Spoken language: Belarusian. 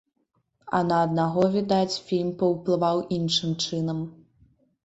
А на аднаго, відаць, фільм паўплываў іншым чынам.